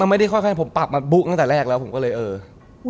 ไม่ได้ค่อยผมปรับมาบุ๊ตั้งแต่แรกแล้วผมก็เลยเออ